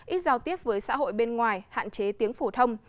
ít giao tiếp với xã hội bên ngoài hạn chế tiếng phổ thông